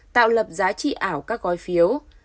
tạo lập giá trị ảo các gói phiếu